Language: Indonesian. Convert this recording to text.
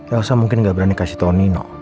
elsa mungkin gak berani kasih tau nino